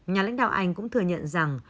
nhà lãnh đạo anh cũng thừa nhận rằng